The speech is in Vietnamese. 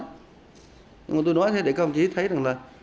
nhưng tôi nói thế để các ông chí thấy rằng là